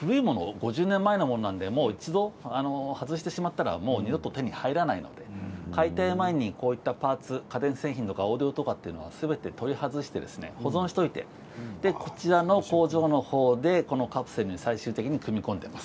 ５０年前のものなので一度外してしまったらもう二度と手に入らないので解体前にこういったパーツ家電製品やオーディオはすべて取り外して保存しておいてこちらの工場の方でこのカプセルに、最終的に組み込んでいます。